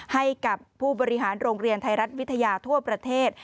ให้กับผู้บริหารโรงเรียนไทยรัฐวิทยาทั่วประเทศ